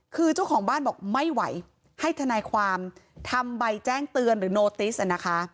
คือเจ้าของบ้านบอกไม่ไหวให้ทนายความทำใบแจ้งเตือนหรือโนติสนะคะ